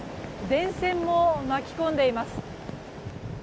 電線も巻き込んでいます。